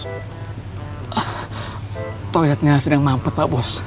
wah toiletnya sedang mampet pak bos